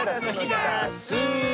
ダス！